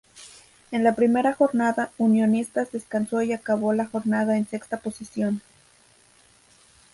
En la primera jornada Unionistas descansó y acabó la jornada en sexta posición.